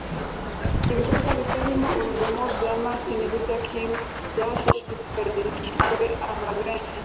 ibikorwa bitarimo urugomo bya martin luther king byashishikarije abantu benshi